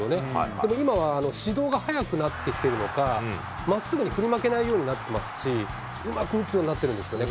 でも今は始動が速くなってきているのか、まっすぐに振り負けないようになってますし、うまく打つようになってるんですよね。